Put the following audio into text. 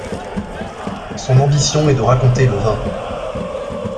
Son ambition est de raconter le vin.